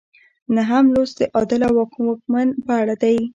نهم لوست د عادل واکمن په اړه دی.